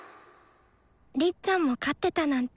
りっちゃんも飼ってたなんて。